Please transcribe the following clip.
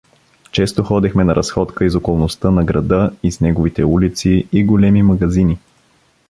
Често ходехме на разходка из околността на града, из неговите улици и големи магазини.